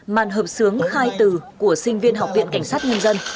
màn hợp sướng khai từ của sinh viên học viện cảnh sát nhân dân